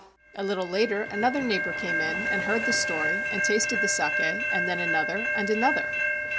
A little later another neighbor came in and heard the story and tasted the saki, and then another and another.